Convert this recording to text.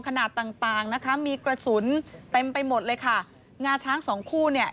ขนาดต่างต่างนะคะมีกระสุนเต็มไปหมดเลยค่ะงาช้างสองคู่เนี่ย